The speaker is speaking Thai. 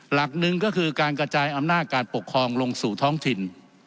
หลักหนึ่งก็คือการกระจายอำนาจการปกครองลงสู่ท้องถิ่น